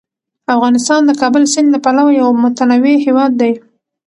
افغانستان د کابل سیند له پلوه یو متنوع هیواد دی.